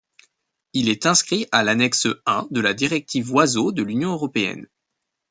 Il est inscrit à l'annexe I de la directive Oiseaux de l'Union européenne.